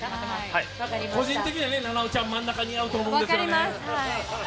個人的には菜々緒ちゃん、真ん中似合うと思うんだけど。